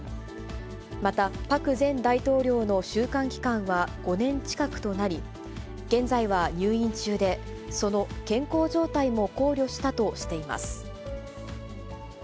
またパク前大統領の収監期間は５年近くとなり、現在は入院中で、その健康状態も考慮したとしています。